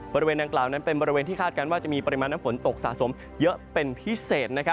บริเวณดังกล่าวนั้นเป็นบริเวณที่คาดการณ์ว่าจะมีปริมาณน้ำฝนตกสะสมเยอะเป็นพิเศษ